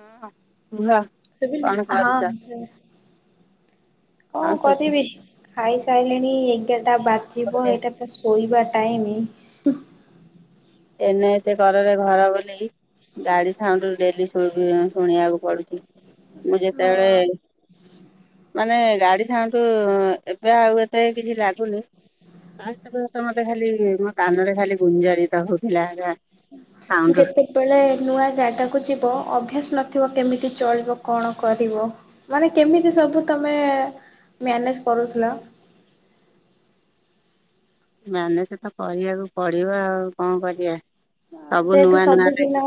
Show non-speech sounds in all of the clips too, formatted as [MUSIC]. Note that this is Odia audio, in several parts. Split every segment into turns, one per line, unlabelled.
ହଁ ହଁ ଲା
ଶୁବିଲା ହଁ ଶୁବେ କଣ
ହଁ
କରିବି
ଶୁଭୁଛି
ଖାଇସାଇଲିଣି ଏଗାରଟା ବାଜିବ
କରେ
ଏଇଟା ତ ଶୋଇବା ଟାଇମି।
ଏଇନାକେ ସେ କରରେ ଘର ବନେଇ ଗାଡି ସାଉଣ୍ଡୁ ଡେଲି ଶୁବି ଶୁଣିବାକୁ ପଡୁଚି। ମୁଁ ଯେତେବେଳେ
ହଁ
ମାନେ ଗାଡି ସାାଉଣ୍ଡୁ, ଏବେ ଆଉ ଏତେ କିଛି ଲାଗୁନି। ଫାଷ୍ଟ ଫାଷ୍ଟ ମତେ ଖାଲି ମୋ କାନରେ ଖାଲି ଗୁଞ୍ଜରିତ ହଉଥିଲା ଗା
ଯେତେ। ବେଳେ ନୂଆ ଜାଗାକୁ ଯିବ, ଅଭ୍ୟାସ ନଥିବ। କେମିତି ଚଳିବ କଣ କରିବ? ମାନେ, କେମିତି ସବୁ ତମେ ମ୍ୟାନେଜ୍ କରୁଥିଲ?
ମ୍ୟାନେଜେ ତ କରିବାକୁ ପଡିବ ଆଉ, କଣ କରିବା? ସବୁ
ଯେହେତୁ
ନୂଆ ନୂଆ
ସବୁଦିନ
ଲାଗେ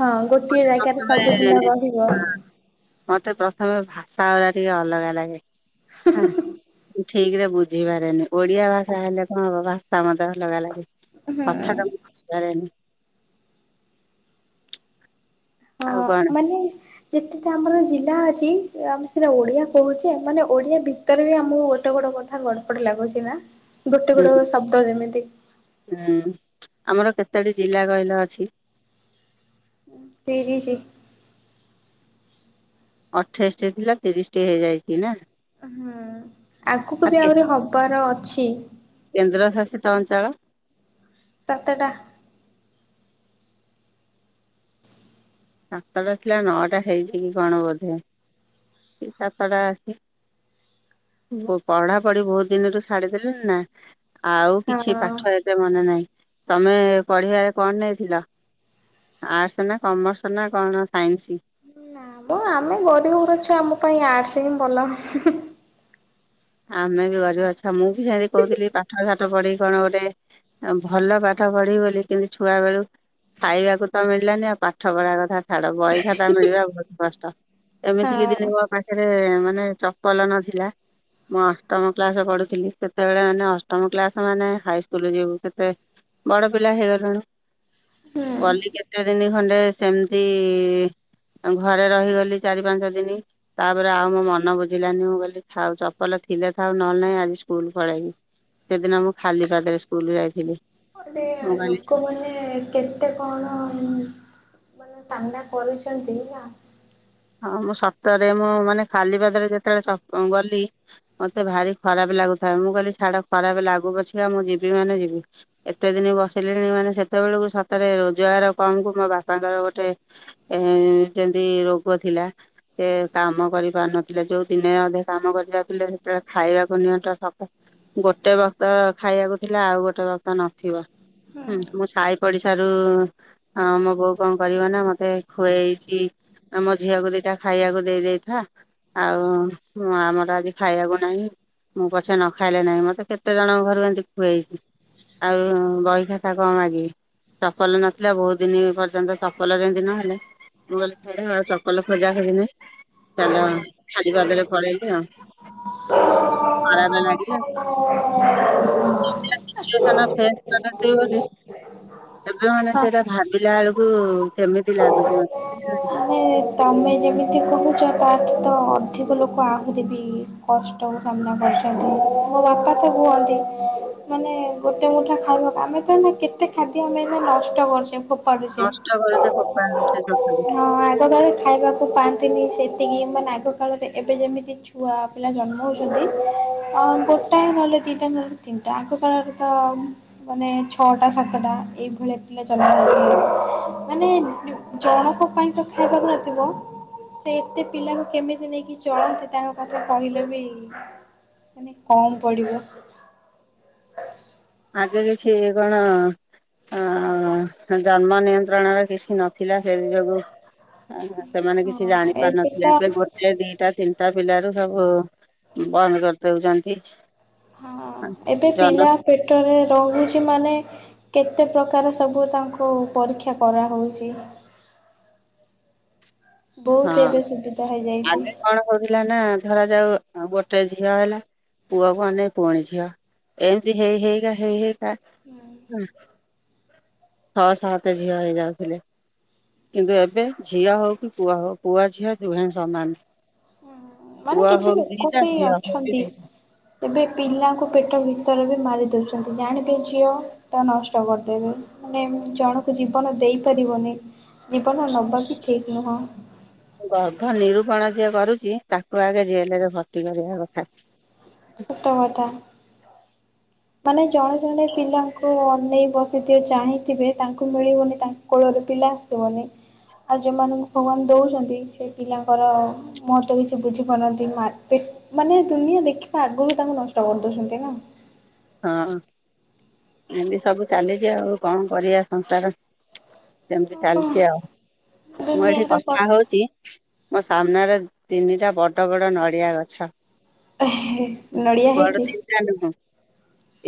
ହଁ ଗୋଟିଏ ଜାଗାରେ ସବୁଦିନ ରହିବ
[INAUDIBLE] ହଁ ମତେ ପ୍ରଥମେ ଭାଷା ଗୁଡା ଟିକେ ଅଲଗା ଲାଗେ। ହଁ, ଠିକ୍ ରେ ବୁଝିପାରେନି। ଓଡିଆ ଭାଷା ହେଲେ ହଁ, ଭାଷା ମତେ ଅଲଗା ଲାଗେ।
ହୁଁ
କଥାଟା ମୁଁ ବୁଝିପାରେନି।
ହଁ,
ଆଉ କଣ
ମାନେ ଯେତେଟା ଆମର ଜିଲ୍ଲା ଅଛି, ଆମେ ସେଇଟା ଓଡ଼ିଆ କହୁଚେ ମାନେ ଓଡ଼ିଆ ଭିତରେ ବି ଆମକୁ ଗୋଟେ ଗୋଟେ କରି ଗଡବଡ୍ ଲାଗୁଚି ନା, ଗୋଟେ
ହୁଁ
ଗୋଡ଼ ଶବ୍ଦ ଯେମିତି।
ହୁଁ, ଆମର କେତୋଟି ଜିଲ୍ଲା କହିଲ ଅଛି?
ତିରିଶି।
ଅଠେଇଶଟି ଥିଲା। ତିରିଶ ଟି ହେଇଯାଇଛି ନା।
ହୁଁ, ଆଗକୁ
ଆଉ
ବି
କେ
ଆହୁରି ହବାର ଅଛି।
କେନ୍ଦ୍ର ଶାସିତ ଅଞ୍ଚଳ।
ସାତଟା।
ସାତଟା ଥିଲା, ନଅଟା ହେଇଛି କି କଣ ବଧେ! କି ସାତଟା ଅଛି। ପଢାପଢି ବହୁତ ଦିନରୁ ଛାଡିଦେଲିଣି ନା। ଆଉ,
ହଁ
କିଛି ପାଠ ଏତେ ମନେ ନାହିଁ। ତମେ ପଢିବା ରେ କଣ ନେଇଥିଲ? ଆର୍ଟସ ନା କମର୍ସ ନା କଣ ସାଇନ୍ସି?
ନାମ ଆମେ ଗରିବ ଘର ଛୁଆ। ଆମ ପାଇଁ ଆର୍ଟସ ହିଁ ଭଲ।
ଆମେ ବି ଗରିବ ଛୁଆ, ମୁଁ ବି ସେମିତି କହୁଥିଲି ପାଠସାଠ୍ ଠ ପଢିକି କଣ ଗୋଟେ, ଭଲ ପାଠ ପଢି ବୋଲି, କିନ୍ତୁ ଛୁଆ ବେଳୁ ଖାଇବାକୁ ତ ମିଳିଲାନି ଆଉ। ପାଠପଢା କଥା ଛାଡ, ବହି ଖାତା ମିଳିବା ବହୁତ କଷ୍ଟ। ଏମିତି କିି
ହଁ
ଦିନେ ମୋ ପାଖରେ, ମାନେ ଚପଲ ନଥିଲା। ମୁଁ ଅଷ୍ଟମ କ୍ଲାସ୍ ପଢୁଥିଲି। ସେତେବେଳେ ମାନେ ଅଷ୍ଟମ କ୍ସାସ ମାନେ ହାଇସୁଲ ଯିବୁ କେତେ ବଡ ପିଲା ହେଇଗଲଣି
ହୁଁ
ଗଲି କେତେ ଦିନି ଖଣ୍ଡେ, ସେମିତି-ଇ ଘରେ ରହିଗଲି ଚାରି ପାଞ୍ଚ ଦିନି, ତା'ପରେ ଆଉ ମୋ ମନ ବୁଝିଲାନି। ମୁଁ କହିଲି ଥାଉ ଚ ପଲ ଥିଲେ ଥାଉ ନହେଲେ ନାହିଁ। ଆଜି ସ୍କୁଲ ପଳେଇବି। ସେଦିନ ମୁଁ, ଖାଲି ପାଦରେ ସ୍କୁଲ ଯାଇଥିଲି।
ଏବେ
ମୁଁ କହିଲି
ଲୋକମାନେ କେତ୍ କେତେ କଣ-ଅ ମାନେ ସାମ୍ନା କରୁଛନ୍ତି, ନା।
ହଁ, ମୁଁ ସତରେ, ମୁଁ ମାନେ ଖାଲି ପାଦରେ ଯେତେବେଳେ ଗଲି ମତେ ଭାରି ଖରାପ ଲାଗୁଥାଏ, ମୁଁ କହିଲି ଛାଡ ଖରାପ ଲାଗୁ ପଛିକା ମୁଁ ଯିବି ମାନେ ଯିବି। ଏତେ ଦିନ ବସିଲିଣି, ମାନେ ସେତେବେଳକୁ ସତରେ ରୋଜଗାର କମ୍ କୁ ମୋ ବାପାଙ୍କର ଗୋଟେ ଏ ଯେଁତି ରୋଗ ଥିଲା। ସେ କାମ କରି ପାରୁନଥିଲେ, ଯୋଉ ଦିନେ ଅଧେ କାମ କରି ଯାଉଥିଲେ, ସେତେବେଳେ ଖାଇବାକୁ ନିଅଣ୍ଟ ସକ ଗୋଟେ ବକ୍ତ ଖାଇବାକୁ ଥିଲା। ଆଉ ଗୋଟେ ବକ୍ତ ନଥିବ। ହୁଁ, ମୁଁ ସାହି ପଡିଶାରୁ-ଉ ହଁ, ମୋ ବୋଉ କଣ କରିବ ନା, ମତେ ଖୁଏଇକି ଆମ ଝିଅକୁ ଦିଟା ଖାଇଆକୁ ଦେଇଦେଇଥା। ଆଉ, ଆମର ଆଜି ଖାଇଆକୁ ନାହିଁ। ମୁଁ ପଛେ ନ ଖାଇଲେ ନାହିଁ। ମତେ କେତେ ଜଣଙ୍କ ଘରୁ ଏମିତି ଖୁଏଇକି ଆଉ, ବହିଖାତା କଣ ମାଗିବି? ଚପଲ ନଥିଲା ବହୁତ ଦିନ ପର୍ଯ୍ୟନ୍ତ ଚପଲ ଯେମିତି ନହେଲେ ମୁଁ କହିଲି [UNINTELLIGIBLE] ଚପଲ ଖୋଜାଖୋବି ନାହିଁ ଚାଲ ଖାଲିପାଦରେ ପଳେଇଲେ ଆଉ ଖରା ଦେଲାକି।
ହାଲୋ।
[UNINTELLIGIBLE] ଏବେ ମାନେ
ହଁ
ସେଟା ଭାବିଲା ବେଳକୁ କେମିତି ଲାଗୁଚି ମତେ
ମାନେ ତମେ ଯେମିତି କହୁଛ ତାଠୁ ତ ଅଧିକ ଲୋକ ଆହୁରି ବି କଷ୍ଟ [UNINTELLIGIBLE] ନା କେତେ ଖାଦ୍ୟ ଆମେ ନଷ୍ଟ କରୁଛେ। କରୁଛେ
ନଷ୍ଟ କରୁଛେ ଫୋପାଡ଼ି ଦଉଛେ ଚଟାକୁ
ହଁ ଆଗକାଳେ ଖାଇବାକୁ ପାଆନ୍ତିନି, ସେତିକି ମାନେ ଆଗ କାଳରେ ଏବେ ଯେମିତି ଛୁଆ ପିଲା ଜନ୍ମ ହଉଛନ୍ତି ଗୋଟାଏ ନହେଲେ ଦୁଇଟା ନହେଲେ ତିନିଟା ଆଗକାଳରେ ତ ମାନେ ଛଅଟା ସାତଟା ଏଇଭଳିଆ ପିଲା ଜନ୍ମ କରୁଥିଲେ। ମାନେ ଜଣଙ୍କ ପାଇଁ ତ ଖାଇବାକୁ ରାଜି ସେ ଏତେ ପିଲାଙ୍କୁ କେମିତି ନେଇକି ଚଳନ୍ତି ତାଙ୍କ କଥା କହିଲେ ବି ମାନେ କମ୍ ପଡ଼ିବ।
ଆଗରେ କିଏ କଣ ଜନ୍ମ ନିଅନ୍ତି ଯନ୍ତ୍ରଣାର କିଛି ନଥିଲା ସେ ଯୋଗୁ ସେମାନେ କିଛି
ହଁ
ଜାଣି ପାରୁ
ଏବେ ତ
ନଥିଲେ ଏବେ ଦିଟା ତିନିଟା ପିଲାରୁ ସବୁ ବନ୍ଦ କରିଦଉଛନ୍ତି।
ହଁ ଏବେ
ଜନ
ପିଲା ପେଟରେ ରହୁଛି ମାନେ କେତେ ପ୍ରକାର ସବୁ ତାଙ୍କୁ ପରୀକ୍ଷା କରାହଉଛି। ବହୁତ ଏବେ ସୁବିଧା ହେଇଯାଇଛି।
କହୁଥିଲା ନା ଧରା ଯାଉ ଗୋଟେ ଝିଅ ହେଲା ପୁଅ କୁ ଅନେଇ ପୁଣି ଝିଅ। ଏମିତି ହେଇ ହେଇକା ହେଇ ହେଇକା
ହୁଁ।
ହୁଁ। ଛଅ ସାତ ଝିଅ ହେଇଯାଉଥିଲେ କିନ୍ତୁ ଏବେ ଝିଅ ହଉ କି ପୁଅ ହଉ ପୁଅ ଝିଅ ଦୁହେଁ ସମାନ।
ମାନେ
ପୁଅ
କିଛି
ହଉ
ଲୋକ
ଦିଟା,
ବି
ଝିଅ ହଉ
ଅଛନ୍ତି
ଦିଟା।
ଏବେ ପିଲାଙ୍କୁ ପେଟ ଭିତରେ ବି ମାରି ଦେଉଛନ୍ତି ଜାଣିବେ ଝିଅ ତା ନଷ୍ଟ କରିଦେବେ ମାନେ ଜଣକୁ ଜୀବନ ଦେଇପାରିବନି ଜୀବନ ନବା ବି ଠିକ୍ ନୁହଁ।
ଗର୍ଭ ନିରୂପଣ ଯିଏ କରୁଛି ତାକୁ ଆଗେ ଜେଲ ରେ ଭର୍ତ୍ତି କରିବା କଥା।
ଉତ୍ତମତା। ମାନେ ଜଣେ ଜଣେ ପିଲାଙ୍କୁ ଅନେଇ ବସିଥେ ଚାହିଁଥିବେ ତାଙ୍କୁ ମିଳିବନି ତା କୋଳରେ ପିଲା ଆସିବନି ଆଉ ଯଉଁମାନଙ୍କୁ ଭଗବାନ ଦଉଛନ୍ତି ସେ ପିଲାଙ୍କର ମା ତ କିଛି ବୁଝି ପାରୁନାହାନ୍ତି ମାନେ ଦୁନିଆ ଦେଖିବା ଆଗରୁ ତାଙ୍କୁ ନଷ୍ଟ କରିଦଉଛନ୍ତି ନା
ହଁ ଏମିତି ସବୁ ଚାଲିଚି ଆଉ କଣ କରିବା ସଂସାର। ସେମିତି
ହଁ
ଚାଲିଚି। ଆଉ ମୁଁ ଏଠି କଥା ହଉଚି ମୋ ସାମ୍ନାରେ ତିନିଟା ବଡ ବଡ ନଡିଆ ଗଛ
ନଡ଼ିଆ ହେଇଛି?
ଚାଲ ହଁ।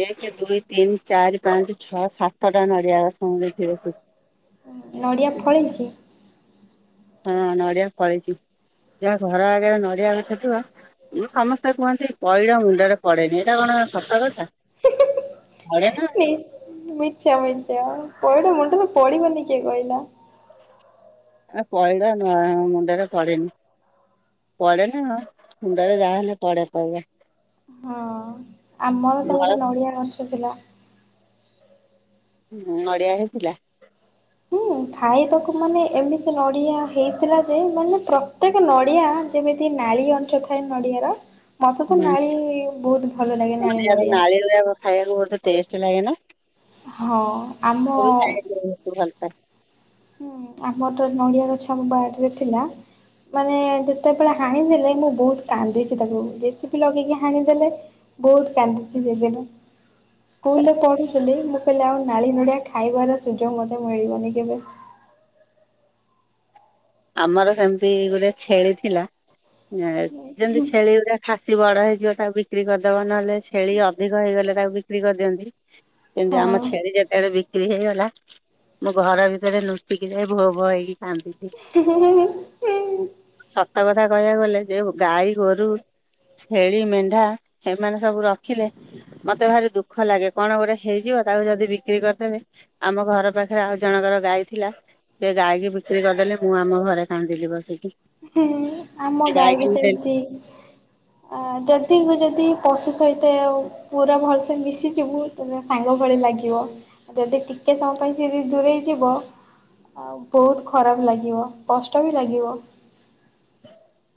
ଏକ ଦୁଇ ତିନି ଚାରି ପାଞ୍ଚ ଛଅ ସାତଟା ନଡ଼ିଆ ଗଛ ଲେଖି ରଖୁଛି।
ନଡିଆ ଫଳିଛି।
ହଁ ନଡିଆ ପଳିଛି ଯାହା ଘର ଆଗରେ ନଡିଆ ଗଛ ଥିବା ମୁଁ ସମସ୍ତେ କୁହନ୍ତି ପଇଡ ମୁଣ୍ଡରେ ପଡେନି ଏଇଟା କଣ ସତ କଥା। ପଡେ
ମିଛ ମିଛ ପଇଡ଼ ମୁଣ୍ଡ ରେ ପଢିବନି କିଏ କହିଲା।
ଆ ପଇଡ଼ ମୁଣ୍ଡରେ ପଡ଼େ ନି। ପଡେ ନାଁ ମୁଣ୍ଡରେ ଯାହାହେଲେ ପଡ଼େ ପଇଡ।
ହଁ ଆମର ତ
ଘର
ଗୋଟେ ନଡିଆ ଗଛ ଥିଲା।
ହୁଁ ନଡିଆ ହେଇଥିଲା।
ହୁଁ ଖାଇବାକୁ ମାନେ ଏମିତି ନଡ଼ିଆ ହେଇଥିଲା ଯେ ମାନେ ପ୍ରତ୍ୟେକ ନଡ଼ିଆ ଯେମିତି ନାଳି ଅଂଶ ଥାଏ ନଡିଆର ମତେ ତ ନାଳି ବୋହୁତ ଭଲ ଲାଗେ ନାଳି
ନଡିଆର
ନଡିଆ।
ନାଳି ଗୁଡାକ ଖାଇବାକୁ ବୋହୁତ ଟେଷ୍ଟ ଲାଗେ ନା।
ହଁ। ଆମ
ମୁ ବି ଖାଇବାକୁ ବୋହୁତ ଭଲପାଏ।
ହଁ ଆମର ନଡ଼ିଆ ଗଛ ଆମ ବାଡ଼ିରେ ଥିଲା ମାନେ ଯେତେବେଳେ ହାଣିଦେଲେ ମୁଁ ବୋହୁତ କାନ୍ଦିଛି ତାକୁ ଜସିପି ଲଗେଇକି ହାଣିଦେଲେ। ବୋହୁତ କାନ୍ଦିଛି ସେଦିନ। ସ୍କୁଲରେ ପଢୁଥିଲି ମୁଁ କହିଲି ଆଉ ନାଳି ନଡ଼ିଆ ଖାଇବାର ସୁଯୋଗ ମୋତେ ମିଳିବନି କେବେ।
ଆମର ସେମିତି ଗୋଟେ ଛେଳି ଥିଲା ଯେମତି ଛେଳି ଗୁରା ଖାସି ବଡ ହେଇଯିବ ତାକୁ ବିକ୍ରି କରିଦବ ନହେଲେ ଛେଳି ଅଧିକ ହେଇଗଲେ ତାକୁ ବିକ୍ରି କରିଦିଅନ୍ତି। ସେମିତି ଆମ ଛେଳି ଯେତେବେଳେ ବିକି ବିକ୍ରି ହେଇଗଲା ମୁଁ ଘର ଭିତରେ ଲୁଚିକି ଯାଇ ଭୋ ଭୋ ହେଇକି କାନ୍ଦିଲି।
ହେ ହେ ହେ ହେ।
ସତ କଥା କହିବାକୁ ଗଲେ ଯେ ଗାଈ ଗୋରୁ ଛେଳି ମେଣ୍ଢା ଏମାନେ ସବୁ ରଖିଲେ ମତେ ଭାରି ଦୁଃଖ ଲାଗେ କଣ ଗୋଟେ ହେଇଯିବ ତାକୁ ଯଦି ବିକ୍ରି କରିଦେବେ। ଆମ ଘର ପାଖରେ ଆଉ ଜଣଙ୍କର ଗାଈ ଥିଲା ସେ ଗାଈ କୁ ବିକ୍ରି କରିଦେଲେ। ମୁଁ ଆମ ଘରେ କାନ୍ଦିଲି ବସିକି।
ହେ ଆମ
ସେ
ଗାଈ
ଗାଈକି
ବି
ମୁଁ ଡେଲି
ସେମିତି। ଆ ଯଦି ମୁଁ ଯଦି ପଶୁ ସହିତେ ପୁରା ଭଲସେ ମିଶିଯିବୁ ତୁମେ ସାଙ୍ଗ ଭଳି ଲାଗିବ। ଯଦି ଟିକେ ସମୟ ପାଇଁ ସିଏ ଯଦି ଦୂରେଇ ଯିବ। ଆଉ ବୋହୁତ ଖରାପ ଲାଗିବ କଷ୍ଟ ବି ଲାଗିବ।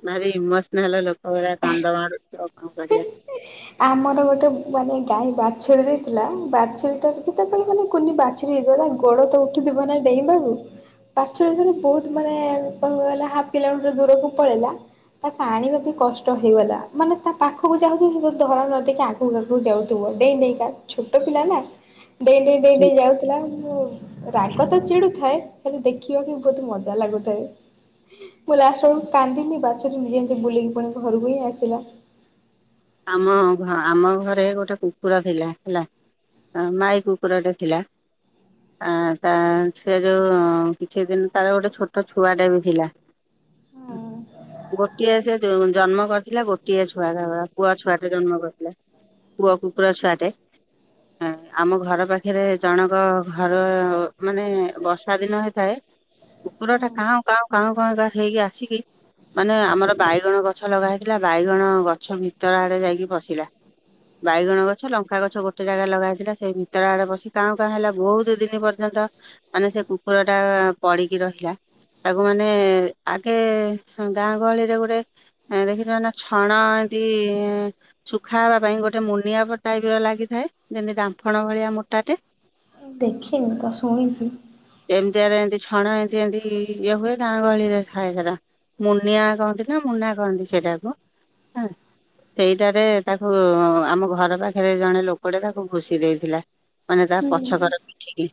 ଭାରି ଇମୋସନାଲ ଲୋକ ଗୂରା କାନ୍ଦ ମାଡୁଥିବ କଣ କରିବା।
ହ [INAUDIBLE] ଆମର ଗୋଟେ ମାନେ ଗାଈ ବାଛୁରୀ ଦେଇଥିଲା ବାଛୁରୀଟା ସେତେବେଳେ ମାନେ କୁନି ବା ବାଛୁରୀ [UNINTELLIGIBLE] ଗୋଡ ତ ଉଠିଥିବ ନା ଡେଇଁବାକୁ। ବାଛୁରି [UNINTELLIGIBLE] ବୋହୁତ ମାନେ କହିବାକୁ ଗଲେ ହାପ କିଲୋମିଟର ଦୂରକୁ ପଳେଇଲା। ତାକୁ ଆଣିବାକୁ କଷ୍ଟ ହେଇଗଲା ମାନେ ତା ପାଖକୁ ଯାଉଥିବୁ ଧରା ନ ଦେଇକି ଆଗକୁ ଆଗକୁ ଯାଉଥିବ ଡେଇଁ ଡେଇଁକା ଛୋଟ ପିଲା ନା। ଡେଇଁ ଡେଇଁ ଯାଉଥିଲା ମୁଁ ରାଗ ତ ଚିଡୁଥାଏ ହେଲେ ଦେଖିବାକୁ ବୋହୁତ ମଜା ଲାଗୁଥାଏ। ମୁଁ ଲାଷ୍ଟ ବେଳକୁ କାନ୍ଦିଲି ବାଛୁରି ଯେମିତି ବୁଲିକି ପୁଣି ଘରକୁ ହିଁ ଆସିଲା।
ଆମ ଘ ଆମ ଘରେ ଗୋଟେ କୁକୁର ଥିଲା ହେଲା। ମାଇ କୁକୁର ଟେ ଥିଲା। ଆ ତା ସେ ଯୋଉ କିଛି ଦିନ ତାର ଗୋଟେ ଛୋଟ ଛୁଆଟେ ବି ଥିଲା।
[INAUDIBLE]
ଗୋଟିଏ ସେ ଜନ୍ମ କରିଥିଲା ଗୋଟିଏ ଛୁଆ ତା ପୁଅ ଛୁଆଟେ ଜନ୍ମ କରିଥିଲା ପୁଅ କୁକୁର ଛୁଆଟେ। ଆମ ଘର ପାଖରେ ଜଣଙ୍କ ଘର ମାନେ ବର୍ଷା ଦିନ ହେଇଥାଏ। କୁକୁର ଟା କାଉଁ କାଉଁ କାଉଁ କାଉଁ କା ହେଇକି ଆସିକି। ମାନେ ଆମର ବାଇଗଣ ଗଛ ଲଗା ହେଇଥିଲା ବାଇଗଣ ଗଛ ଭିତର ଆଡେ ଯାଇକି ପଶିଲା। ବାଇଗଣ ଗଛ ଲଙ୍କା ଗଛ ଗୋଟେ ଜାଗାରେ ଲଗା ହେଇଥିଲା ସେଇ ଭିତର ଆଡେ ପସିକି କାଉଁ କାଉଁ ହେଲା ବୋହୁତ ଦିନ ପର୍ଯ୍ୟନ୍ତ। ମାନେ ସେ କୁକୁର ଟା ପଡିକି ରହିଲା। ତାକୁ ମାନେ ଆଗେ ଗାଁ ଗହଳିରେ ଗୋଟେ ଆ ଦେଖିଛ ନା ଛଣ ଦି ଶୁଖାହବା ପାଇଁ ଗୋଟେ ମୁନିଆ ଟାଇପ ର ଲାଗିଥାଏ ଯେମିତି ଦାମ୍ଫଣ ଭଳିଆ ମୋଟାଟେ।
ଦେଖିନି ତ ଶୁଣିଚି।
ଏମିତିଆରେ ଏମିତି ଛଣ ଏମିତି ଏମିତି ଇଏ ହୁଏ ଗାଁ ଗହଳିରେ [UNINTELLIGIBLE] ମୁନିଆ କହନ୍ତି ନା ମୁନା କହନ୍ତି ସେଟାକୁ ହଁ। ସେଇଟାରେ ତାକୁ ଆମ ଘର ପାଖରେ ଜଣେ ଲୋକଟେ ତାକୁ ଭୁସି ଦେଇଥିଲା। ମାନେ ତାହା ପଛକର ଠିକ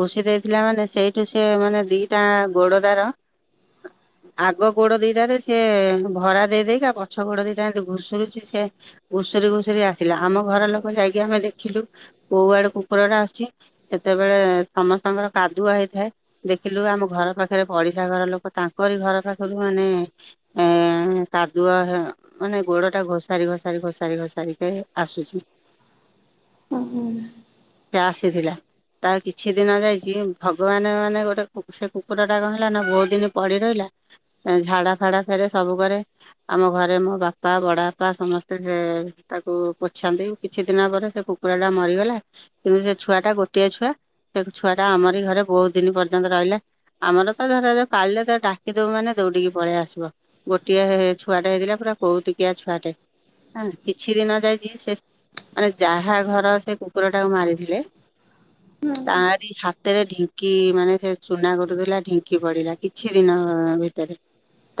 ଭୁଷି ଦେଇଥିଲା ମାନେ ସେଇଠୁ ସେ ମାନେ ଦିଟା ଗୋଡର ଆଗ ଗୋଡ ଦିଟାରେ ସିଏ ଭରା ଦେଇଦେଇକା ପଛ ଗୋଡ ଦିଟା ଘୁଷୁରୁଚି ସେ ଘୁଷୁରି ଘୁଷୁରି ଆସିଲା ଆମ ଘର ଲୋକ ଯାଇକି ଆମେ ଦେଖିଲୁ। କୋଉ ଆଡୁ କୁକୁର ଟା ଆସୁଚି ସେତେବେଳେ ସମସ୍ତଙ୍କର କାଦୁଅ ହେଇଥାଏ। ଦେଖିଲୁ ଆମ ଘର ପାଖରେ ପଡିଶା ଘର ଲୋକ ତାଙ୍କରି ଘର ପାଖରୁ ମାନେ ଏ କାଦୁଅ ମାନେ ଗୋଡ ଟା ଘୋଷାରି ଘୋଷାରି ଘୋଷାରି ଘୋଷାରିକେ ଆସୁଚି।
ଓ ହୋ।
ସେ ଆସିଥିଲା। ତା କିଛି ଦିନ ଯାଇଚି ଭଗବାନ ମାନେ ଗୋଟେ ସେ କୁକୁର ଟା କଣ ହେଲା ନା ବୋହୁତ ଦିନ ପଡି ରହିଲା। ଝାଡା ଫାଡା ଫେରେ ସବୁ କରେ, ଆମ ଘରେ ମୋ ବାପା ବଡ ବାପା ସମସ୍ତେ ସେ ତାକୁ ପୋଛାନ୍ତି, କିଛି ଦିନ ପରେ ସେ କୁକୁର ଟା ମରିଗଲା। କିନ୍ତୁ ସେ ଛୁଆଟା ଗୋଟିଏ ଛୁଆ, ସେ ଛୁଆଟା ଆମରି ଘରେ ବହୁତ ଦିନ ପର୍ଯ୍ୟନ୍ତ ରହିଲା। ଆମର ତ ଧର କାଲିରେ ତ ଡାକି ଦଉ ମାନେ ଦୈଡିକି ପଳେଇ ଆସିବ। ଗୋଟିଏ ଛୁଆଟା ହେଇଥିଲା ପୁରା କୋତିକିଆ ଛୁଆଟେ। କିଛି ଦିନ ଯାଇଚି ମାନେ ଯାହା ଘର ସେ କୁକୁର ଟାକୁ ମାରିଥିଲେ
ହୁଁ।
ତାରି ହାତରେ ଢିଙ୍କି ମାନେ ସେ ଚୁନା କୁଟୁଥିଲା ଢିଙ୍କି ପଡିଲା କିଛି ଦିନ ଭିତରେ।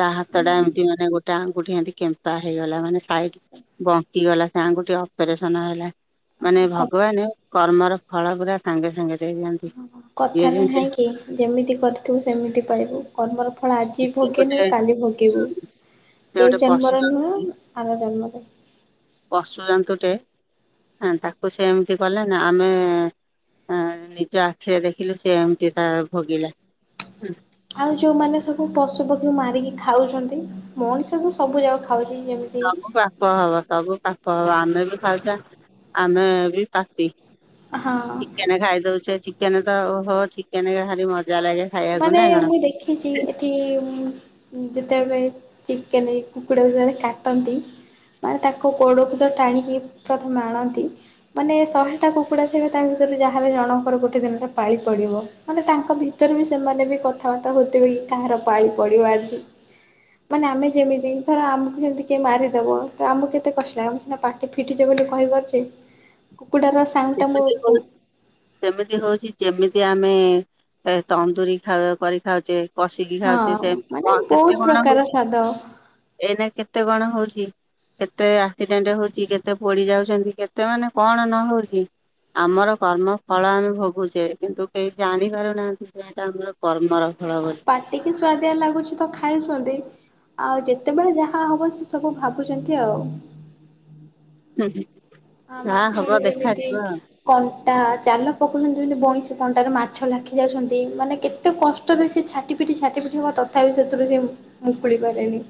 ତା ହାତ ଟା ଏମିତି ମାନେ ଗୋଟେ ଆଙ୍ଗୁଠି ଏନ୍ତି କେମ୍ପା ହେଇଗଲା ମାନେ ସାଇଡ ବଙ୍କିଗଲା ସେ ଆଙ୍ଗୁଠି ଅପରେସନ ହେଲା। ମାନେ ଭଗବାନ କର୍ମର ଫଳ ପୁରା ସାଙ୍ଗେ ସାଙ୍ଗେ ଦେଇଦିଅନ୍ତି।
କଥାରେ ନାହିଁକି ଯେମିତି କରିଥିବୁ ସେମିତି ପାଇବୁ। କର୍ମର ଫଳ ଆଜି
ସେ
ଭୋଗିନୁ
ଗୋଟେ
କାଲି ଭୋଗିବୁ।
ସେ
ଏ
ଗୋଟେ ପଶୁ
ଜାନ୍ମର ନୁହଁ
ଜନ୍ତୁ
ଆର ଜନ୍ମର।
ପଶୁ ଜନ୍ତୁଟେ ହାଁ ତାକୁ ସେ ଏମିତି କଲା ନା ଆମେ ଆ ନିଜ ଆଖିରେ ଦେଖିଲୁ ସେ ଏମିତି ତା ଭୋଗିଲା।
ଆଉ ଯୋଉମାନେ ସବୁ ପଶୁ ପକ୍ଷୀ ମାରିକି ଖାଉଛନ୍ତି ମଣିଷ ତ ସବୁ ଯାକ ଖାଉଚି ଯେମିତି
ସବୁ ପାପ ହବ ସବୁ ପାପ ହବ, ଆମେ ବି ଖାଉଚେ ଆମେ ବି ପାପି।
ହଁ
ଚିକେନ ଖାଇ ଦୋଉଚେ ଚିକେନ ତ ଓହୋ ଚିକେନ ଭାରି ମଜା ଲାଗେ। ଖାଇବାକୁ
ମାନେ
ନା କଣ?
ମୁଇ ଦେଖିଚି ଏଠି ଯେତେବେଳେ ଚିକେନ କୁକୁଡାକୁ ସେମାନେ କାଟନ୍ତି ମାନେ ତାକୁ କୋଳକୁ ତ ଟାଣିକି ପ୍ରଥମେ ଆଣନ୍ତି। ମାନେ ଶହେଟା କୁକୁଡ଼ା ଥିବ ତା ଭିତରୁ ଯାହେଲେ ଜଣଙ୍କର ଗୋଟେ ଦିନଟା ପାଳି ପଡ଼ିବ। ମାନେ ତାଙ୍କ ଭିତରେ ବି ସେମାନେ ବି କଥାବାର୍ତ୍ତା ହଉଥିବେ କି କାହାର ପାଳି ପଡିବ ଆଜି। ମାନେ ଆମେ ଯେମିତି ଧର ଆମକୁ ଯେମିତି କିଏ ମାରିଦବ ତ ଆମକୁ କେତେ କଷ୍ଟ ଲାଗେ ଆମ ସିନା ପାଠ୍ ଫିଟିଚି ବୋଲି କହିପାରୁଚି। କୁକୁଡ଼ା ର
[INAUDIBLE] ସେମିତି ହୋଉଚି ଯେମିତି ଆମେ ତନ୍ଦୁୁରୀ ଖାଉ କରି ଖାଉଚେ। କଶିକି
ହଁ
ଖାଉଚେ ସେମତି
ମାନେ
କଣ
ବହୁତ
କେତେ କଣ
ପ୍ରକାର
ହୋଉଚି?
ସ୍ଵାଦ
ଏଇନା କେତେ କଣ ହୋଉଚି? କେତେ ଆକ୍ସିଡେଣ୍ଟ ହୋଉଚି, କେତେ ପୋଡି ଯାଉଚନ୍ତି, କେତେ ମାନେ କଣ ନହୋଉଚି? ଆମର କର୍ମ ଫଳ ଆମେ ଭୋଗୁଚେ କିନ୍ତୁ କେହି ଜାଣି ପାରୁନାହାନ୍ତି ଯେ ଏଇଟା ଆମର କର୍ମର [UNINTELLIGIBLE]
ଟିକ ସୁଆଦିଆ ଲାଗୁଛି ତ ଖାଉଛନ୍ତି। ଆଉ ଯେତେବେଳେ ଯାହା ହବ ସେ ସବୁ ଭାବୁଛନ୍ତି ଆଉ।
ହୁଁ ହୁଁ।
ଆ
ଯାହା ହବ
ମାଛରେ ଯେମିତି
ଦେଖାଯିବ ଆଉ।
କଣ୍ଟା, ଜାଲ ପକଉଛନ୍ତି ଯେମିତି ବଇଁଶି କଣ୍ଟାରେ ମାଛ ଲାଖି ଯାଉଛନ୍ତି ମାନେ କେତେ କେତେ କଷ୍ଟରେ ସେ ଛାଟି ପିଟି ଛାଟି ପିଟି ହବ ତଥାପି ସେଥିରୁ ସେ ମୁ ମୁକୁଳି ପାରେନି।